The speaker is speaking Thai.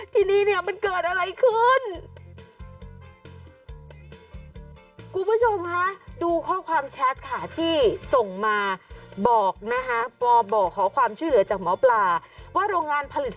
ทีนี้เนี่ยมันเกิดอะไรขึ้น